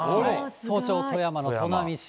早朝、富山の砺波市。